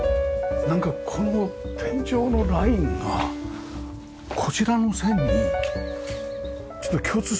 なんかこの天井のラインがこちらの線にちょっと共通するところがありますよね。